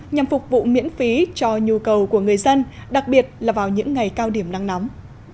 nhằm phục vụ miễn phí cho nhu cầu của người dân đặc biệt là vào những ngày cao điểm nắng nóng